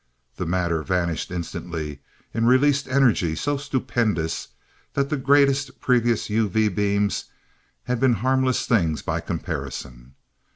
The matter vanished instantly in released energy so stupendous that the greatest previous UV beams had been harmless things by comparison.